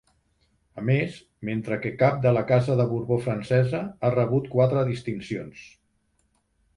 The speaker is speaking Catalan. A més, mentre que Cap de la Casa de Borbó francesa, ha rebut quatre distincions.